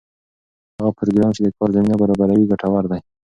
هغه پروګرام چې د کار زمینه برابروي ګټور دی.